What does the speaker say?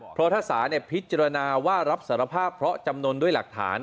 เพราะถ้าศาลพิจารณาว่ารับสารภาพเพราะจำนวนด้วยหลักฐาน